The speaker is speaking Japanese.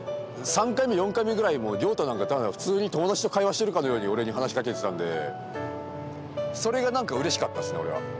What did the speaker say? ３回目４回目ぐらいにもう崚太なんか普通に友達と会話してるかのように俺に話しかけてたんでそれが何かうれしかったですね俺は。